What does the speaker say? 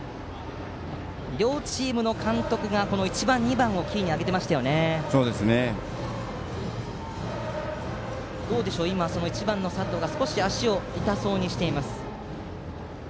両チームの監督が１番、２番をキーに挙げていましたが１番の佐藤が少し足を痛そうにしています。